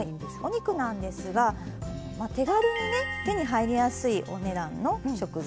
お肉なんですが手軽にね手に入りやすいお値段の食材。